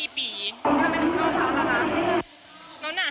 วิว้าวไม่ได้โชคพร้องนะคะ